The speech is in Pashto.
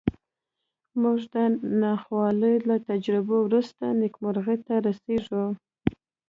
موږ د ناخوالو له تجربې وروسته نېکمرغۍ ته رسېږو